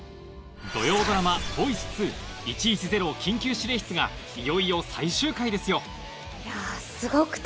土曜ドラマ『ボイス１１０緊急指令室』がいよいよ最終回ですよいや。